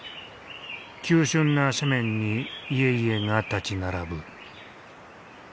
急しゅんな斜面に家々が立ち並ぶ。